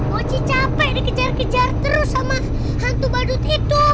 woci capek dikejar kejar terus sama hantu badut itu